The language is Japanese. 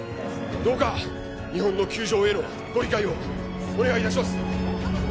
どうか日本の窮状へのご理解をお願いいたします！